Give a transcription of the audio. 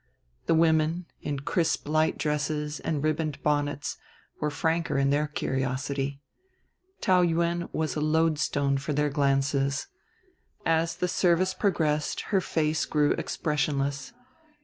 The women, in crisp light dresses and ribboned bonnets, were franker in their curiosity. Taou Yuen was a loadstone for their glances. As the service progressed her face grew expressionless.